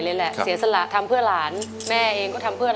รายการต่อไปนี้เป็นรายการทั่วไปสามารถรับชมได้ทุกวัย